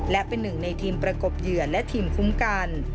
และเป็นหนึ่งในทีมประกบเหยื่อและทีมคุ้มกัน